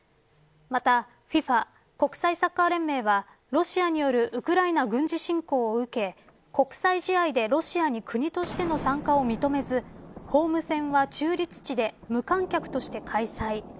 またＦＩＦＡ国際サッカー連盟はロシアによるウクライナ軍事侵攻を受け国際試合でロシアに国としての参加を認めずホーム戦は中立地で無観客として開催。